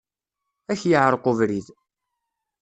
Ad ak-yeɛreq ubrid.